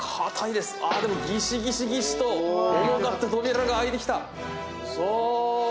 あぁでもギシギシギシと重かった扉が開いてきた。